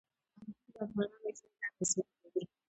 انګور د افغانانو ژوند اغېزمن کوي.